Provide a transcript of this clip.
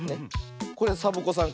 これサボ子さん